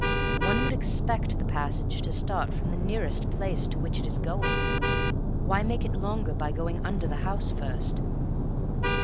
One would expect the passage to start from the nearest place to which it is going. Why make it longer by going under the house first?"